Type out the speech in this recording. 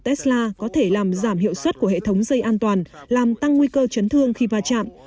tesla có thể làm giảm hiệu suất của hệ thống dây an toàn làm tăng nguy cơ chấn thương khi va chạm